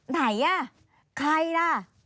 ไหนอ่ะใครล่ะ